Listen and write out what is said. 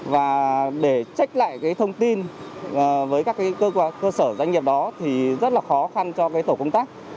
và để trích lại cái thông tin với các cơ sở doanh nghiệp đó thì rất là khó khăn cho cái tổ công tác